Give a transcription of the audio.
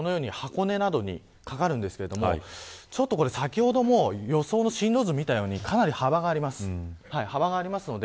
関東も、このように箱根などにかかるんですが先ほども予想の進路図を見たようにかなり幅があります。